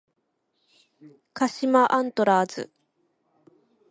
鹿島アントラーズ